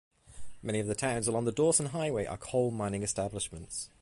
Many of the towns along the Dawson Highway are coal-mining establishments.